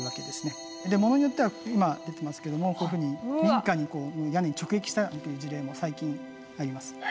物によっては今出てますけれどもこういうふうに民家の屋根に直撃したなんて事例も最近あります。